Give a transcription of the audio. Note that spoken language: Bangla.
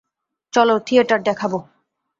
চলো, থিয়েটার দেখাব।